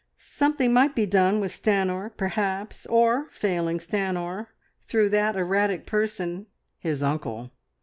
Something might be done with Stanor perhaps, or, failing Stanor, through that erratic person, his uncle.